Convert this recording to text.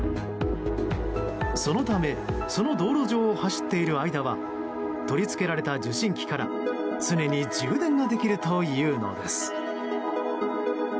そのため、その道路上を走っている間は取り付けられた受信機から常に充電ができるというのです。